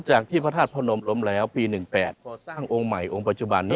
จากที่พระธาตุพระนมล้มแล้วปี๑๘พอสร้างองค์ใหม่องค์ปัจจุบันนี้